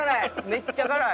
めっちゃ辛い。